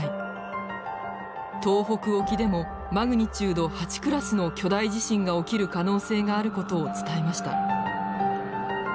東北沖でもマグニチュード８クラスの巨大地震が起きる可能性があることを伝えました。